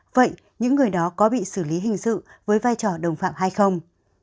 vậy những người đó có bị xử lý hình sự với vai trò đồng phạm hay không